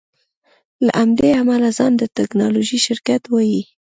له همدې امله ځان ته د ټیکنالوژۍ شرکت وایې